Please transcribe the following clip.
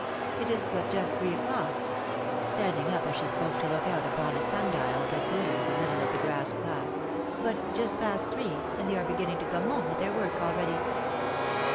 It is but just three o'clock" (standing up as she spoke to look out upon a sun dial that glittered in the middle of the grass plat), " but just past three, and they are beginning to come home with their work already."